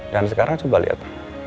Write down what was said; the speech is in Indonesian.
dan sekarang coba lihat